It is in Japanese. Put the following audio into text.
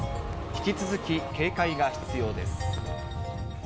引き続き警戒が必要です。